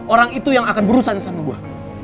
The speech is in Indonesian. orang itu yang akan berusaha sama buah